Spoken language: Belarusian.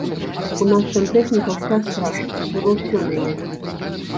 У нас сантэхніка ўся страшная, трэба ўсё мяняць.